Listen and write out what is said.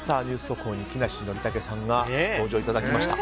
速報に木梨憲武さんがご登場いただきました。